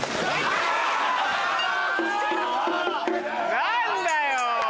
何だよ。